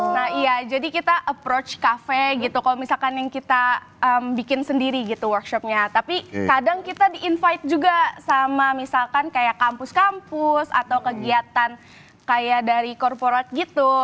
nah iya jadi kita approach cafe gitu kalau misalkan yang kita bikin sendiri gitu workshopnya tapi kadang kita di invite juga sama misalkan kayak kampus kampus atau kegiatan kayak dari corporate gitu